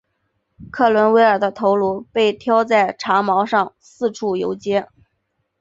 克伦威尔的头颅被挑在长矛上四处游街。